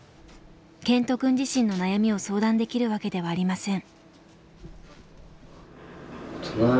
健人くん自身の悩みを相談できるわけではありません。